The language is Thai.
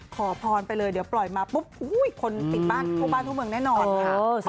ขอพรไปเลยเดี๋ยวปล่อยมาปุ๊บคนปิดบ้านทั่วบ้านทั่วเมืองแน่นอนค่ะ